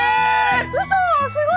うそすごい！